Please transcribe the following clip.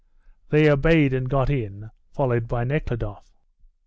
They obeyed and got in, followed by Nekhludoff.